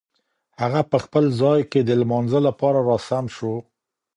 هغه په خپل ځای کې د لمانځه لپاره را سم شو.